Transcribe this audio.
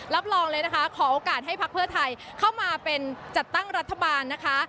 รับรองเลยนะคะขอโอกาสให้พักเพื่อไทยเข้ามาเป็นจัดตั้งรัฐบาลนะคะ